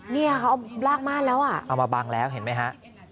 เนี่ยเขาเอาลากม่านแล้วอ่ะเอามาบังแล้วเห็นไหมฮะ